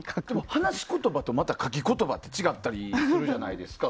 話し言葉と書き言葉って違ったりするじゃないですか。